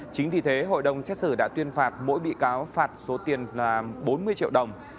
chính vì thế hội đồng xét xử đã tuyên phạt mỗi bị cáo phạt số tiền là bốn mươi triệu đồng